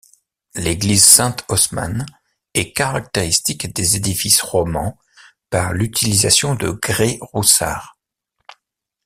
L'église Sainte-Osmane est caractéristique des édifices romans par l'utilisation de grès roussard.